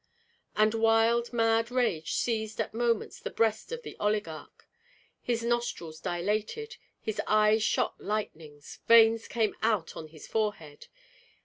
And wild, mad rage seized at moments the breast of the oligarch. His nostrils dilated, his eyes shot lightnings, veins came out on his forehead.